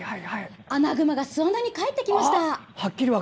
アナグマが巣穴に帰ってきました。